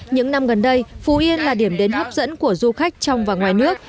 những năm gần đây phú yên là điểm đến hấp dẫn của du khách trong và ngoài nước